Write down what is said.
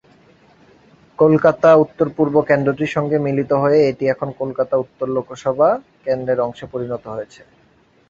কলকাতা উত্তর পূর্ব কেন্দ্রটির সঙ্গে মিলিত হয়ে এটি এখন কলকাতা উত্তর লোকসভা কেন্দ্রের অংশে পরিণত হয়েছে।